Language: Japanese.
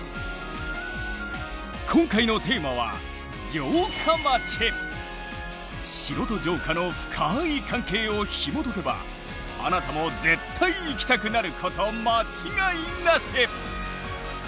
今回のテーマは城と城下の深い関係をひもとけばあなたも絶対行きたくなること間違いなし！